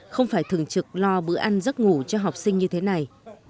không phải thường trực lo bữa ăn giấc ngủ cho học sinh như thế này